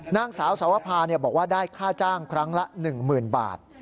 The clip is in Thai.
นางสาวสวภาบอกว่าได้ค่าจ้างครั้งละ๑๐๐๐บาท